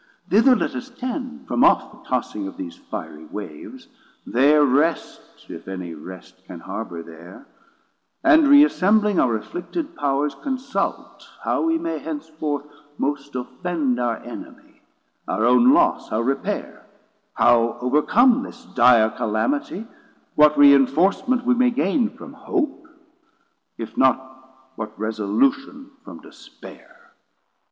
Thither let us tend From off the tossing of these fiery waves, There rest, if any rest can harbour there, And reassembling our afflicted Powers, Consult how we may henceforth most offend Our Enemy, our own loss how repair, How overcome this dire Calamity, What reinforcement we may gain from Hope, 190 If not what resolution from despare.